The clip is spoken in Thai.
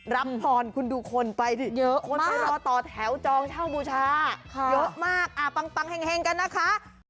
รับพรคุณดูคนไปเยอะคนไปรอต่อแถวจองเช่าบูชาเยอะมากปังแห่งกันนะคะ